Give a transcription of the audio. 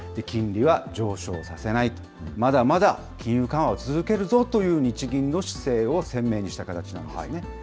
金利は上昇させない、まだまだ金融緩和を続けるぞという日銀の姿勢を鮮明にした形なんですね。